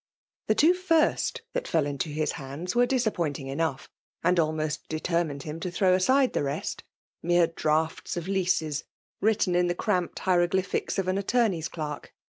0 The two first that fell into his hands were ••••* disappointing enough, and almost determined him to throw aside the rest— mere draughts of leases, written in the cramped hieroglyphics of an attorney's clerk.